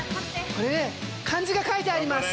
漢字が書いてあります。